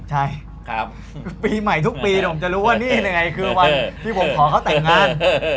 ใช่ปีใหม่ทุกปีผมจะรู้ว่านี่ไงคือวันที่ผมขอเขาแต่งงาน